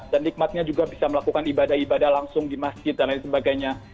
dan nikmatnya juga bisa melakukan ibadah ibadah langsung di masjid dan lain sebagainya